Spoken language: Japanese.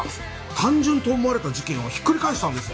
単純と思われた事件をひっくり返したんです。